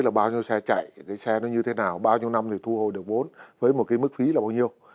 là bao nhiêu xe chạy cái xe nó như thế nào bao nhiêu năm thì thu hồi được vốn với một cái mức phí là bao nhiêu